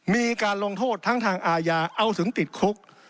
มีการลงโทษทั้งทางอาญาเอาถึงติดคุก